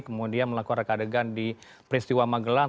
kemudian melakukan rekadegan di peristiwa magelang